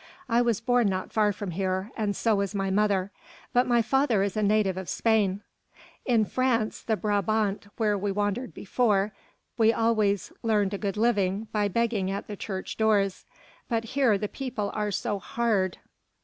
I was born not far from here, and so was my mother, but my father is a native of Spain. In France, in Brabant where we wandered before, we always earned a good living by begging at the church doors, but here the people are so hard...."